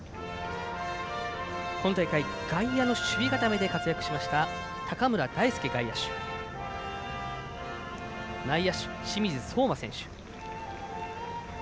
今大会外野の守備固めで活躍しました高村大輔選手内野手、清水蒼天選手。